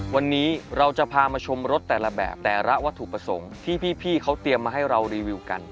วันนี้เราจะพามาชมรถแต่ละแบบแต่ละวัตถุประสงค์ที่พี่เขาเตรียมมาให้เรารีวิวกัน